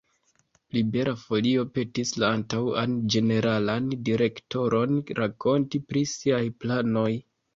Libera Folio petis la antaŭan ĝeneralan direktoron rakonti pri siaj planoj.